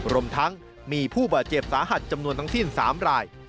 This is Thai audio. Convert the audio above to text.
รวมทั้งมีผู้บาดเจ็บสาหัสจำนวนทั้งสิ้น๓ราย